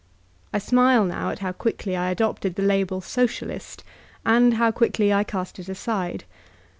I smile now at how quickly I adopted the label "Socialist" and how quickly I cast it aside.